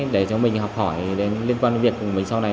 để cho mình học hỏi liên quan đến việc của mình sau này